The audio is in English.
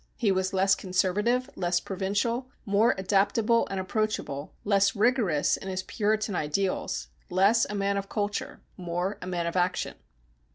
He was less conservative, less provincial, more adaptable and approachable, less rigorous in his Puritan ideals, less a man of culture, more a man of action.